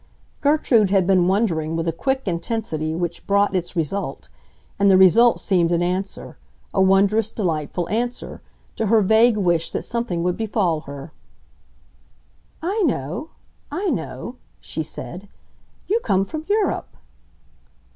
Gertrude had been wondering with a quick intensity which brought its result; and the result seemed an answer—a wondrous, delightful answer—to her vague wish that something would befall her. "I know—I know," she said. "You come from Europe."